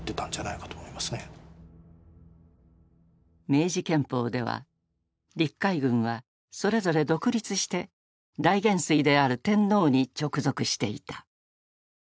明治憲法では陸海軍はそれぞれ独立して大元帥である天皇に直属していた。